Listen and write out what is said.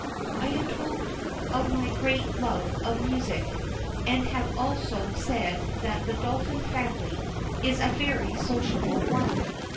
I have told of my great love of music, and have also said that the Dolphin family is a very sociable one.